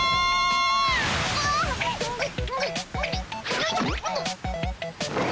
よいしょ。